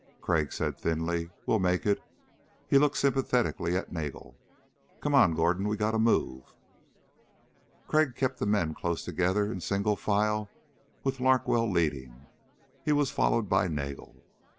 Crag said thinly: "Well make it." He looked sympathetically at Nagel. "Come on, Gordon. We gotta move." Crag kept the men close together, in single file, with Larkwell leading. He was followed by Nagel.